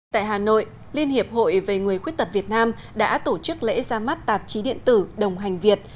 tại hà nội liên hiệp hội về người khuyết tật việt nam đã tổ chức lễ ra mắt tạp chí điện tử đồng hành việt